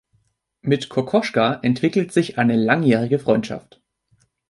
Mit Kokoschka entwickelt sich eine langjährige Freundschaft.